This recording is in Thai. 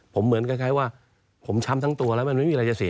ผมเหมือนคล้ายว่าผมช้ำทั้งตัวแล้วมันไม่มีอะไรจะเสีย